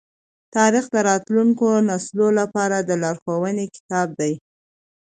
تاریخ د راتلونکو نسلونو لپاره د لارښوونې کتاب دی.